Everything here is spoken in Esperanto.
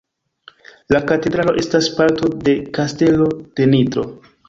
La katedralo estas parto de Kastelo de Nitro.